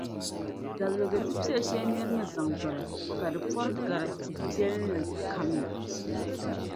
zabiliga tibiɛl’ shɛli nir’ ni zaŋ biri, ka di pɔri gari tibiɛlinli kam la.